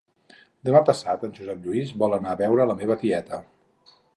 Demà passat en Josep Lluís vol anar a veure la meva tieta